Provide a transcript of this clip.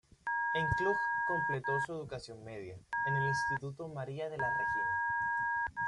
En Cluj completó su educación media, en el Instituto Maria de la Regina.